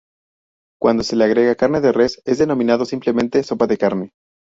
Cuando se le agrega carne de res, es denominado simplemente "sopa de carne".